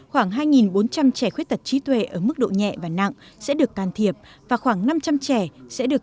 khoảng hai bốn trăm linh trẻ khuyết tật trí tuệ ở mức độ nhẹ và nặng sẽ được can thiệp và khoảng năm trăm linh trẻ sẽ được